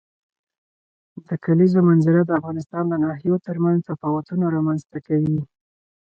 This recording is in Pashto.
د کلیزو منظره د افغانستان د ناحیو ترمنځ تفاوتونه رامنځ ته کوي.